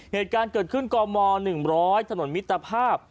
เหตุการณ์เกิดขึ้นกม๑๐๐ถนนมิตรภาพ